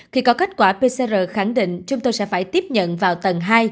khi có kết quả pcr khẳng định chúng tôi sẽ phải tiếp nhận vào tầng hai